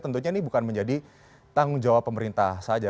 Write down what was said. tentunya ini bukan menjadi tanggung jawab pemerintah saja